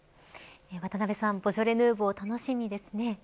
渡辺さん、ボジョレ・ヌーボー楽しみですね。